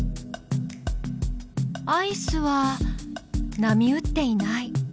アイスは波打っていない。